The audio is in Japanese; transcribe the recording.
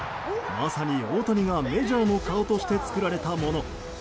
まさに大谷がメジャーの顔として作られたもの。